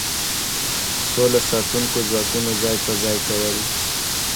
سوله ساتونکو ځواکونو ځای په ځای کول.